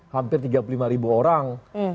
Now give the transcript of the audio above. hampir tiga puluh lima ribu orang